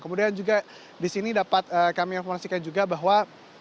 kemudian juga di sini dapat kami informasikan juga bahwa